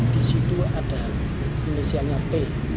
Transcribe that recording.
di situ ada inisialnya p